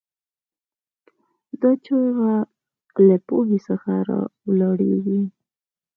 دا چیغه له پوهې څخه راولاړېږي.